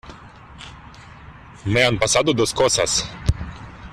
me han pasado dos cosas,